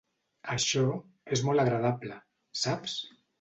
Això és molt agradable, saps!